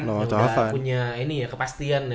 yang udah punya ini ya kepastian